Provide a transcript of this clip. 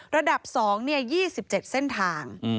ระดับ๒เนี่ย๒๗เส้นทาง